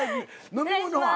飲み物は？